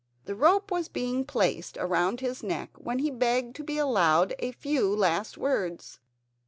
The rope was being placed round his neck, when he begged to be allowed a few last words.